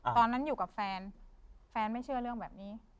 ตอนนั้นอยู่กับแฟนแฟนไม่เชื่อเรื่องแบบนี้